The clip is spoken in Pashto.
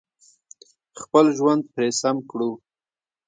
خپل ژوند پرې سم کړو.